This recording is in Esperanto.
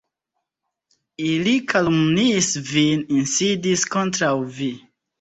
Ili kalumniis vin, insidis kontraŭ vi.